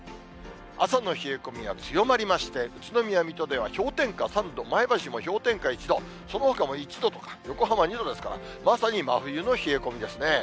朝の冷え込みが強まりまして、宇都宮、水戸では氷点下３度、前橋も氷点下１度、そのほかも１度とか、横浜２度ですから、まさに真冬の冷え込みですね。